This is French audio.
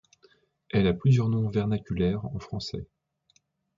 Elle a plusieurs noms vernaculaires en français.